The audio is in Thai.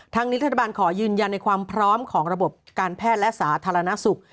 นี้รัฐบาลขอยืนยันในความพร้อมของระบบการแพทย์และสาธารณสุข